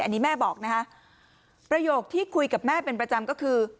อันนี้แม่บอกนะคะประโยคที่คุยกับแม่เป็นประจำก็คือ